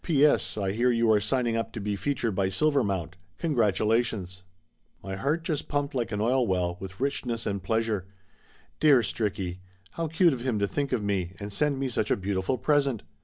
P. S. I hear you are signing up to be fea tured by Silvermount. Congratulations !" My heart just pumped like an oil well, with richness and pleasure. Dear Stricky ! How cute of him to think of me and send me such a beautiful present!